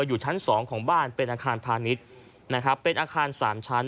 อยู่ชั้นสองของบ้านเป็นอาคารพาณิชย์นะครับเป็นอาคารสามชั้น